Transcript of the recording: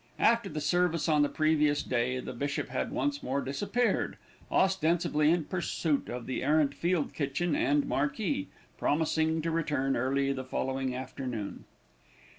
After the service on the previous day, the bishop had once more disappeared, ostensibly in pursuit of the errant field kitchen and marquee, promising to return early the following afternoon.